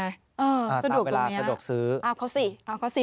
สะดวกตรงนี้ครับตามเวลาสะดวกซื้อ